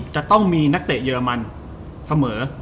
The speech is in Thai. จะต้องมีนักเตะเยอรมันเสมอ